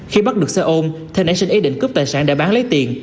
khi bắt được xe ôm theo nãy sinh ý định cướp tài sản để bán lấy tiền